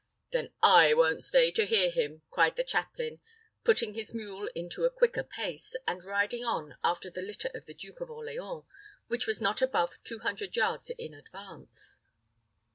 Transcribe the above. "Then I won't stay to hear him," cried the chaplain, putting his mule into a quicker pace, and riding on after the litter of the Duke of Orleans, which was not above two hundred yards in advance.